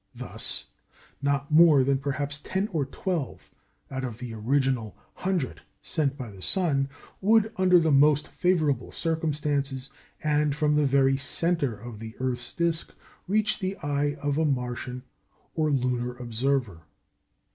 Thus not more than perhaps ten or twelve out of the original hundred sent by the sun would, under the most favourable circumstances, and from the very centre of the earth's disc, reach the eye of a Martian or lunar observer.